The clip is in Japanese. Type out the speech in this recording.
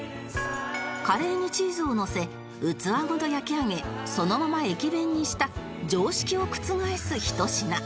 カレーにチーズをのせ器ごと焼き上げそのまま駅弁にした常識を覆すひと品